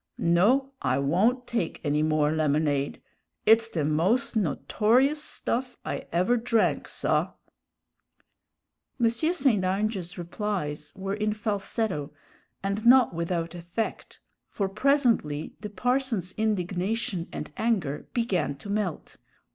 No, I won't take any more lemonade; it's the most notorious stuff I ever drank, saw!" M. St. Ange's replies were in falsetto and not without effect; for presently the parson's indignation and anger began to melt.